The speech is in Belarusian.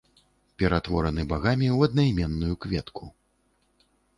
Ператвораны багамі ў аднайменную кветку.